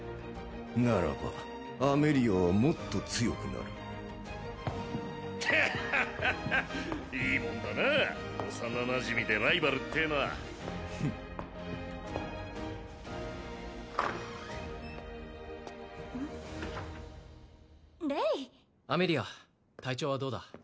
ならばアメリアはもっと強くなるハッハッハッハッいいもんだな幼なじみでライバルっていうのはフンレイアメリア体調はどうだ？